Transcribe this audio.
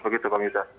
begitu bang yuda